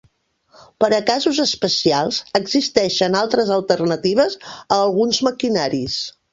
Per a casos especials, existeixen altres alternatives a alguns maquinaris.